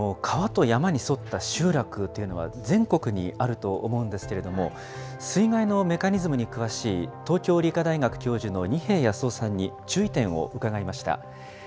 川と山に沿った集落というのは、全国にあると思うんですけれども、水害のメカニズムに詳しい東京理科大学教授の二瓶泰雄さんに注意点を伺いました。